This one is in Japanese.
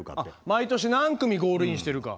毎年何組ゴールインしてるか？